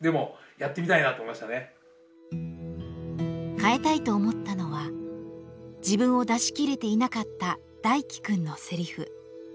変えたいと思ったのは自分を出しきれていなかった大樹くんのセリフ。